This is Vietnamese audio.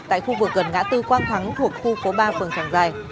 tại khu vực gần ngã tư quang thắng thuộc khu phố ba phường tràng giải